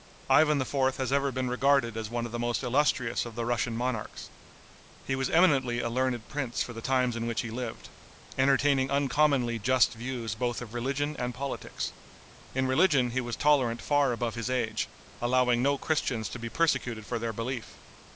Ivan IV. has ever been regarded as one of the most illustrious of the Russian monarchs. He was eminently a learned prince for the times in which he lived, entertaining uncommonly just views both of religion and politics. In religion he was tolerant far above his age, allowing no Christians to be persecuted for their belief.